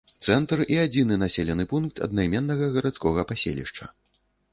Цэнтр і адзіны населены пункт аднайменнага гарадскога паселішча.